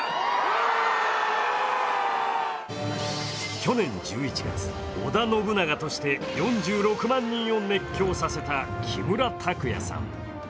去年１１月、織田信長として４６万人を熱狂させた木村拓哉さん。